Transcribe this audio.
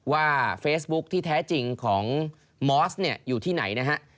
ว่าเฟซบุ๊คที่แท้จริงของมอสเนี่ยอยู่ที่ไหนนะฮะ